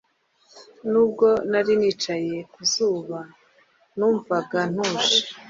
Nubwo nari nicaye ku zuba numvaga ntuje